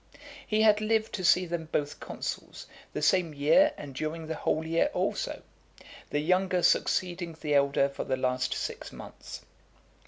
He had lived to see them both consuls, the same year and during the whole year also; the younger succeeding the elder for the last six months .